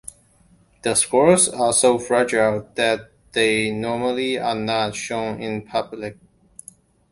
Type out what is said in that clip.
The scrolls are so fragile that they normally are not shown in public.